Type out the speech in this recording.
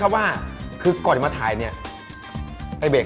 เพราะฉะนั้นถ้าใครอยากทานเปรี้ยวเหมือนโป้แตก